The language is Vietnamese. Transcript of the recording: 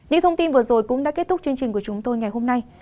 những thông tin vừa rồi cũng đã kết thúc chương trình của chúng tôi ngày hôm nay